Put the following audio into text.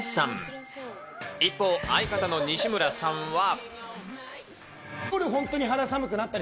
一方、相方の西村さんは。